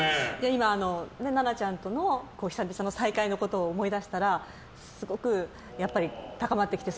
今、奈々ちゃんとの久々の再会のことを思い出したらすごく高まってきて。